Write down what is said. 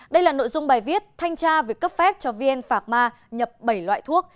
đây là nội dung bài viết thanh tra việc cấp phép cho vn pharma nhập bảy loại thuốc